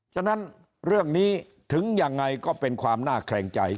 ฉะนั้นเรื่องนี้ถึงยังไงก็เป็นความน่าแขลงใจ